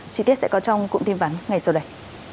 chí tiết sẽ có trong cụm tin vắng ngày sau đây